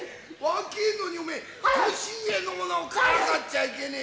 若えのにおめえ年上の者をからかっちゃいけねえよ。